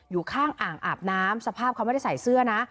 อยู่ข้างอ่างอาบน้ำสภาพเขาไม่ได้ใส่เสื้อนะ